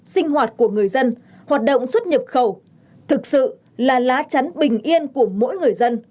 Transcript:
sinh hoạt của người dân hoạt động xuất nhập khẩu thực sự là lá chắn bình yên của mỗi người dân